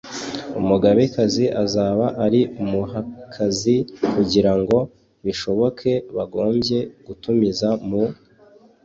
umugabekazi azaba ari umuhakazi kugira ngo bishoboke bagombye gutumiza mu